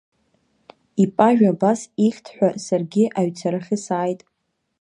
Ипажәа абас ихьт ҳәа, саргьы аҩцарахьы сааит.